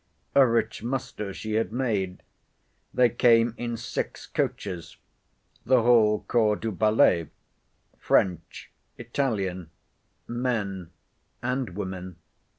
A rich muster she had made. They came in six coaches—the whole corps du ballet—French, Italian, men and women.